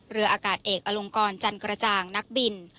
เรืออากาศเอกอลงกรจันกระจ่างนักบิน